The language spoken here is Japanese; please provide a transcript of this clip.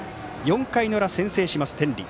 ４回の裏、先制します天理。